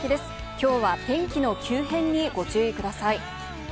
きょうは天気の急変にご注意ください。